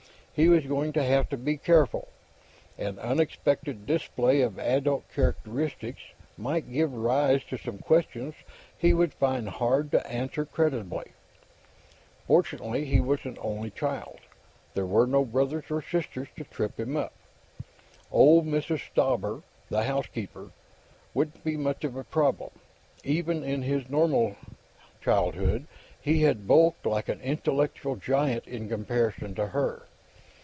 He was going to have to be careful. An unexpected display of adult characteristics might give rise to some questions he would find hard to answer credibly. Fortunately, he was an only child; there would be no brothers or sisters to trip him up. Old Mrs. Stauber, the housekeeper, wouldn't be much of a problem; even in his normal childhood, he had bulked like an intellectual giant in comparison to her.